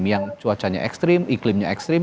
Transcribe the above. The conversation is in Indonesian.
yang cuacanya ekstrim iklimnya ekstrim